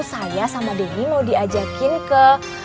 saya sama denny mau diajakin ke